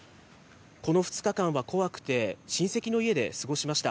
この２日間は怖くて、親戚の家で過ごしました。